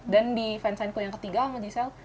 dan di fansite ku yang ketiga sama jiselle